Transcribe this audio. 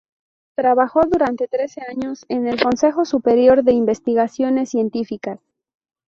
Trabajó durante trece años en el Consejo Superior de Investigaciones Científicas.